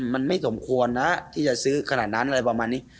มันไม่สมควรนะที่จะซื้อขนาดนั้นอะไรประมาณนี้